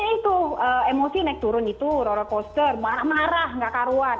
itu emosi naik turun itu roller coaster marah marah nggak karuan